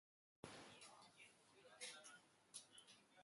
The shutters are up, and the glass will fall outside.